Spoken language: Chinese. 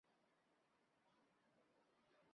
勒马达热奈。